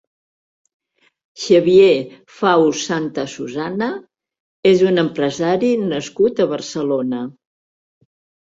Xavier Faus Santasusana és un empresari nascut a Barcelona.